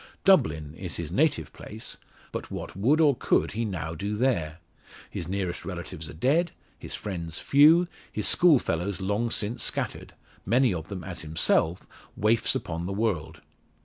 Dublin is his native place; but what would or could he now do there? his nearest relatives are dead, his friends few, his schoolfellows long since scattered many of them, as himself, waifs upon the world.